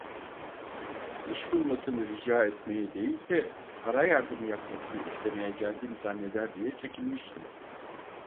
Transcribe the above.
İş bulmasını rica etmeye değil de, para yardımı yapmasını istemeye geldim zanneder diye çekinmiştim.